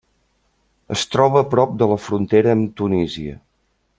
Es troba a prop de la frontera amb Tunísia.